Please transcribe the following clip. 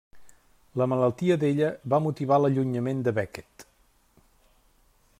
La malaltia d'ella va motivar l'allunyament de Beckett.